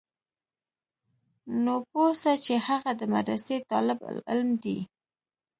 نو پوه سه چې هغه د مدرسې طالب العلم دى.